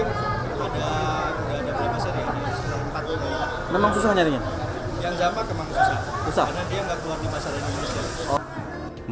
yang zaman memang susah karena dia nggak keluar di masyarakat ini